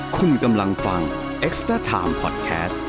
คุณกำลังฟังเอ็กซ์เตอร์ไทม์พอดแคสต์